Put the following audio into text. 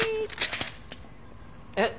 えっ？